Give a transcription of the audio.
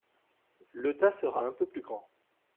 Le tas sera un peu plus grand.